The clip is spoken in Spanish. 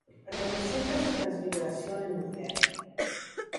Representa su transfiguración en mujer.